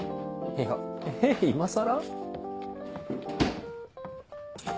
いやえ今更？